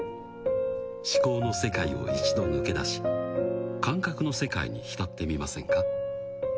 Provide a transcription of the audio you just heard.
思考の世界を一度抜け出し感覚の世界に浸ってみませんか？